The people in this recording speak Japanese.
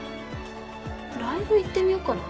ライブ行ってみよっかな。